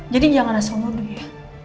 jadi jangan langsung nuduh ya